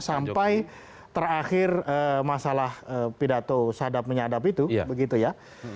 sampai terakhir masalah pidato sadap menyadap itu begitu ya